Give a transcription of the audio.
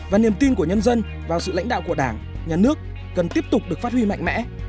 và niềm tin của nhân dân vào sự lãnh đạo của đảng nhà nước cần tiếp tục được phát huy mạnh mẽ